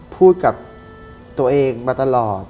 พูดกับตัวเองมาตลอด